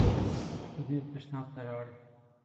خو نېغ تشناب ته ولاړ .